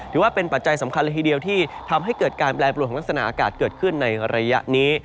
ถือว่าเป็นปัจจัยสำคัญละทีเดียวที่ทำให้เกิดการแบรนด์ปลวดของลักษณะอากาศเกิดขึ้นในระยะนี้